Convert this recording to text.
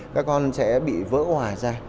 các con sẽ bị vỡ hòa ra